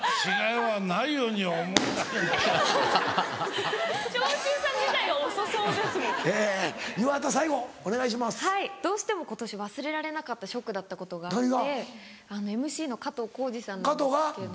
はいどうしても今年忘れられなかったショックだったことがあって。ＭＣの加藤浩次さんなんですけど。